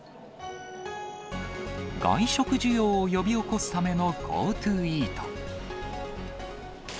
外食需要を呼び起こすためのＧｏＴｏＥａｔ。